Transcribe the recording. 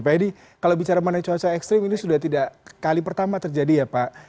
pak edi kalau bicara mengenai cuaca ekstrim ini sudah tidak kali pertama terjadi ya pak